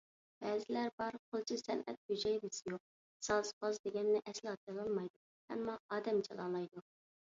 بەزىلەر بار، قىلچە سەنئەت ھۈجەيرىسى يوق، ساز-پاز دېگەننى ئەسلا چالالمايدۇ، ئەمما ئادەم چالالايدۇ.